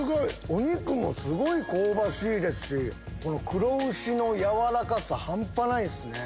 お肉もすごい香ばしいですし黒牛の軟らかさ半端ないっすね。